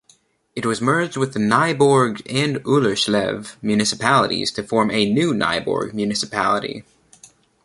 It was merged with Nyborg and Ullerslev municipalities to form a new Nyborg municipality.